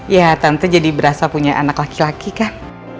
ya tante jadi berasa punya anak laki laki kan